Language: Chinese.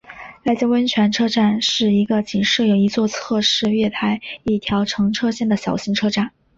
濑见温泉车站是一个仅设有一座侧式月台一条乘车线的小型车站。